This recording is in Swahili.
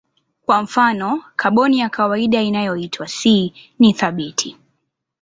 Kwa mfano kaboni ya kawaida inayoitwa C ni thabiti.